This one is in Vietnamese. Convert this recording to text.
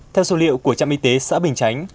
theo số liệu của trạm y tế xã bình chánh